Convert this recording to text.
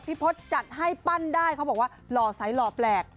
พจน์จัดให้ปั้นได้เขาบอกว่าหล่อใสหล่อแปลก